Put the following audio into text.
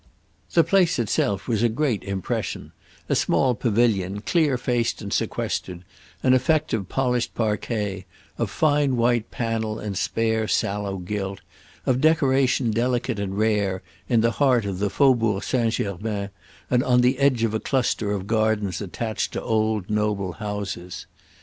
The place itself was a great impression—a small pavilion, clear faced and sequestered, an effect of polished parquet, of fine white panel and spare sallow gilt, of decoration delicate and rare, in the heart of the Faubourg Saint Germain and on the edge of a cluster of gardens attached to old noble houses.